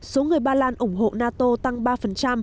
số người ba lan ủng hộ nato tăng ba